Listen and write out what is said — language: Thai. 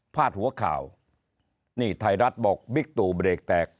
หัวข่าวนี่ไทยรัฐบอกบิ๊กตู่เบรกแตก